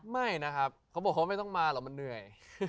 ไม่นะครับเขาบอกเขาไม่ต้องมาหรอกมันเหนื่อย